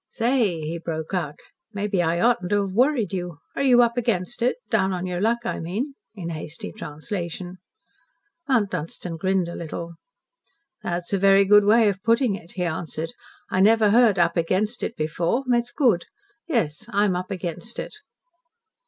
"Say," he broke out, "perhaps I oughtn't to have worried you. Are you up against it? Down on your luck, I mean," in hasty translation. Mount Dunstan grinned a little. "That's a very good way of putting it," he answered. "I never heard 'up against it' before. It's good. Yes, I'm up against it.